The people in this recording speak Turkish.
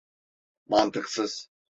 Mantıksız.